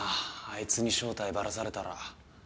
いつに正体バラされたら。